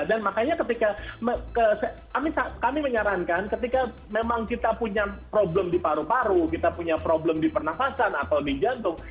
dan makanya ketika kami menyarankan ketika memang kita punya problem di paru paru kita punya problem di pernafasan atau di jantung